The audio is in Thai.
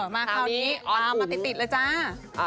มาคราวนี้ตามมาติดเลยจ้า